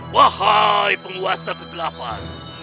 wahai penguasa kegelapan